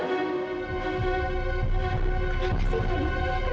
kenapa sih fadil